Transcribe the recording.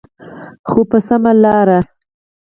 خو په سمه لاره.